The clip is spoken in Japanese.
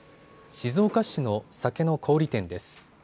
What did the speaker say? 静岡市の酒の小売店です。